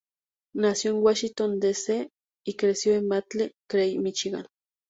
Nació en Washington D. C. y creció en Battle Creek, Míchigan.